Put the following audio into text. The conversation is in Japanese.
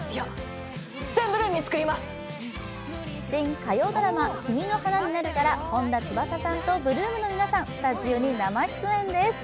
新火曜ドラマ「君の花になる」から本田翼さんと８ＬＯＯＭの皆さん、スタジオに生出演です。